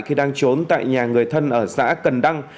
khi đang trốn tại nhà người thân ở xã cần đăng